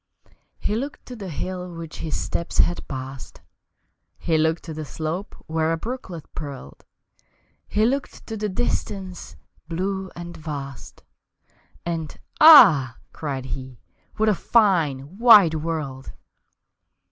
He looked to the hill which his steps had passed, He looked to the slope where a brooklet purled, He looked to the distance blue and vast And "Ah," cried he, "what a fine, wide world!"